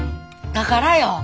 だからよ！